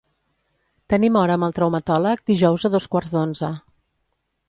Tenim hora amb el traumatòleg dijous a dos quarts d'onze.